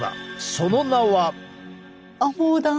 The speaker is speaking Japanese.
その名は。